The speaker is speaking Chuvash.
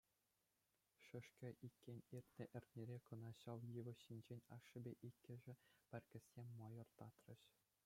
Шӗшкӗ иккен, иртнӗ эрнере кӑна ҫав йывӑҫ ҫинчен ашшӗпе иккӗшӗ пӗр кӗсье мӑйӑр татрӗҫ.